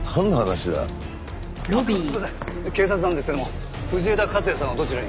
すいません警察なんですけども藤枝克也さんはどちらに？